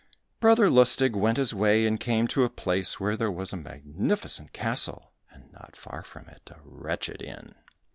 Brother Lustig went his way and came to a place where there was a magnificent castle, and not far from it a wretched inn.